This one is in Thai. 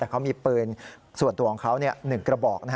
แต่เขามีปืนส่วนตัวของเขา๑กระบอก